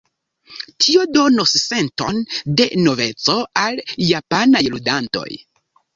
Tio donas senton de noveco al japanaj ludantoj.